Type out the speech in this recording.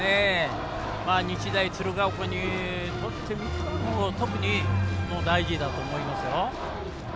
日大鶴ヶ丘にとってみても特に大事だと思いますよ。